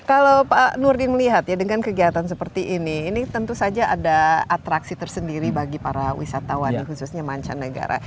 kalau pak nurdin melihat ya dengan kegiatan seperti ini ini tentu saja ada atraksi tersendiri bagi para wisatawan khususnya mancanegara